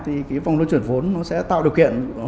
thì vòng đôi chuyển vốn sẽ tạo điều kiện